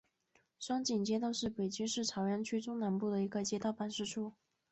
双井街道是北京市朝阳区中南部的一个街道办事处。